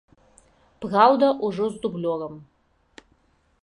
Праўда, ужо з дублёрам.